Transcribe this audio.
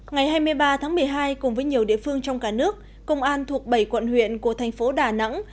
ngày hai mươi ba tháng một mươi hai cùng với nhiều địa phương trong cả nước công an thuộc bảy quận huyện của thành phố đà nẵng